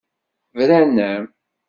Bran-am.